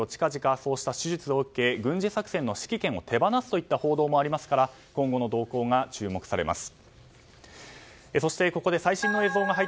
プーチン大統領は近々、手術を受けて軍事作戦の指揮権を手放すという報道もありますから今度の動向も注目されます。